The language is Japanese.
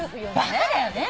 バカだよね！